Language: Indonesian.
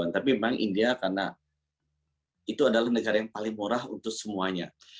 tapi memang india karena itu adalah negara yang paling murah untuk semuanya